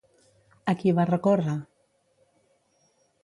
A qui va recórrer?